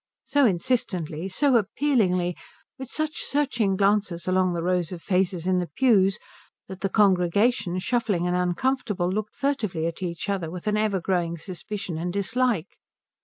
so insistently, so appealingly, with such searching glances along the rows of faces in the pews, that the congregation, shuffling and uncomfortable, looked furtively at each other with an ever growing suspicion and dislike.